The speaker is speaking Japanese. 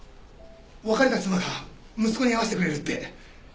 別れた妻が息子に会わせてくれるって。